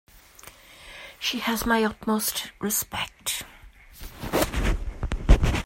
She has my utmost respect.